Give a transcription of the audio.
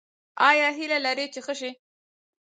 ایا هیله لرئ چې ښه شئ؟